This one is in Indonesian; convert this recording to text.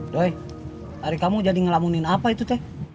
doy hari kamu jadi ngelamunin apa itu teh